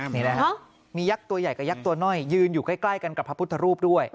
นี่นะครับมียักษ์ตัวใหญ่กับยักษ์ตัวน้อยยืนอยู่ใกล้กันกับพระพุทธรูปด้วย